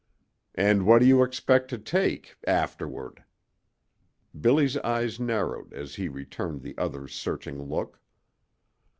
"And what do you expect to take afterward?" Billy's eyes narrowed as he returned the other's searching look.